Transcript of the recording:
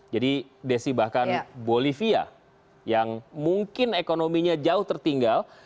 jadi desi bahkan bolivia yang mungkin ekonominya jauh tertinggal